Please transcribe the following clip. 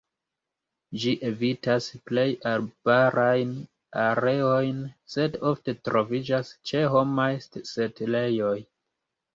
Ĝi evitas plej arbarajn areojn, sed ofte troviĝas ĉe homaj setlejoj.